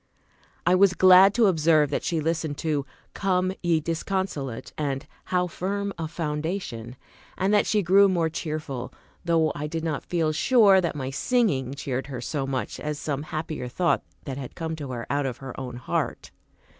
I was glad to observe that she listened to "Come, ye disconsolate," and "How firm a foundation;" and that she grew more cheerful; though I did not feel sure that my singing cheered her so much as some happier thought that had come to her out of her own heart.